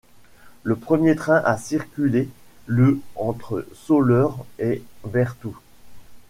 Le premier train a circulé le entre Soleure et Berthoud.